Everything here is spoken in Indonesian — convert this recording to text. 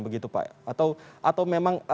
begitu pak atau memang